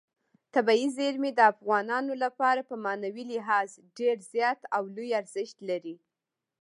طبیعي زیرمې د افغانانو لپاره په معنوي لحاظ ډېر زیات او لوی ارزښت لري.